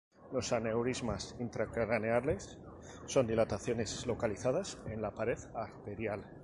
Los aneurismas intracraneales son dilataciones localizadas en la pared arterial.